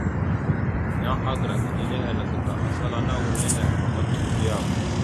Yan agra eɗe nehe ta asal ana wal nehe amamat cek diyaw ?